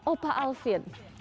oh pak alvin